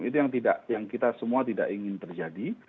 itu yang tidak yang kita semua tidak ingin terjadi